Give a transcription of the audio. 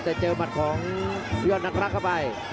แต่เจอมัติของเซียวนักรักเข้าไป